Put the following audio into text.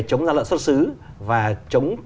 chống giả lợi xuất xứ và chống